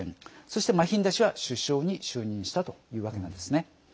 そして、マヒンダ氏は首相に就任したというわけなんですね。